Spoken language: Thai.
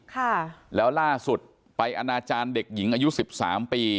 ค่ะแล้วล่าสุดไปอนาจารย์เด็กหญิงอายุสิบสามปี